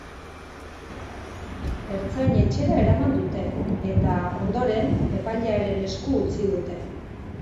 Ertzain-etxera eraman dute, eta, ondoren, epailearen esku utzi dute.